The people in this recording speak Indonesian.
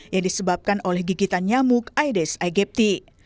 yang disebabkan oleh gigitan nyamuk aedes aegypti